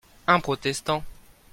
Un protestant.